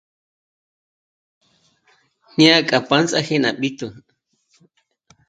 Né'e k'a p'ândzaje ná jbíjtu